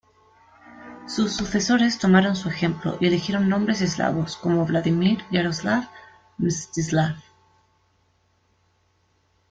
Sus sucesores tomaron su ejemplo y eligieron nombres eslavos, como Vladímir, Yaroslav, Mstislav.